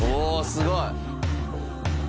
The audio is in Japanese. すごい！」